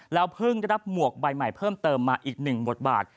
เพิ่งได้รับหมวกใบใหม่เพิ่มเติมมาอีกหนึ่งบทบาท